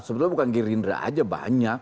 sebenarnya bukan gerindra aja banyak